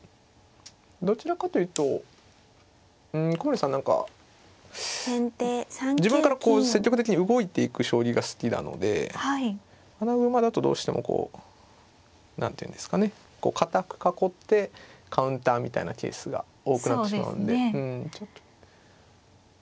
どちらかというと古森さん何か自分から積極的に動いていく将棋が好きなので穴熊だとどうしてもこう何ていうんですかね堅く囲ってカウンターみたいなケースが多くなってしまうんでちょっと。